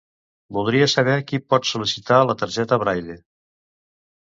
Voldria saber qui pot sol·licitar la targeta Braile.